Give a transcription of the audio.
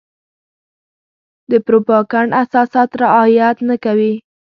د پروپاګنډ اساسات رعايت نه کوي.